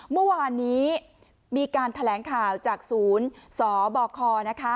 เมื่อวานนี้มีการแถลงข่าวจากศูนย์สบคนะคะ